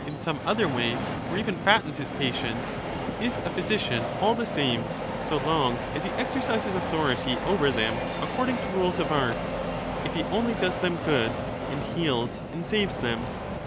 in some other way, or even fattens his patients, is a phy sician all the same, so long as he exercises authority over them according to rules of art, if he only does them good and heals and saves them.